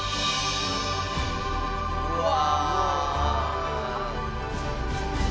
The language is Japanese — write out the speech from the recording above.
うわ！